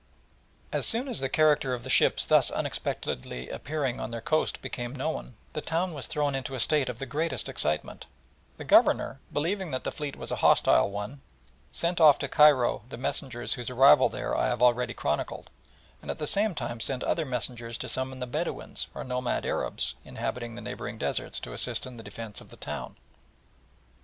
As soon as the character of the ships thus unexpectedly appearing on their coast became known the town was thrown into a state of the greatest excitement, and the Governor, believing that the fleet was a hostile one, sent off to Cairo the messengers whose arrival there I have already chronicled, and at the same time sent other messengers to summon the Bedouins, or nomad Arabs, inhabiting the neighbouring deserts, to assist in the defence of the town.